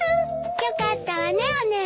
よかったわねお姉ちゃん。